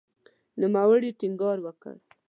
نوموړي ټینګار وکړ